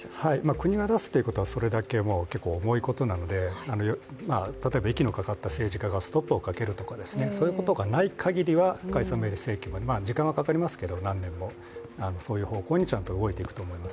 国が出すということはそれだけ結構重いことなので、例えば息のかかった政治家がストップをかけるとかそういうことがないかぎりは、解散命令請求は時間はかかりますけれども、何年も、そういう方向にちゃんと動いていくと思います